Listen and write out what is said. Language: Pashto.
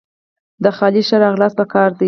د خالد ښه راغلاست په کار دئ!